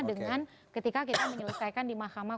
dengan ketika kita menyelesaikan di mahkamah